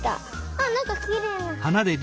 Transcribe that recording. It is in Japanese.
あっなんかきれいな。